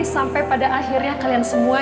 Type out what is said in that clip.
sampai pada akhirnya kalian semua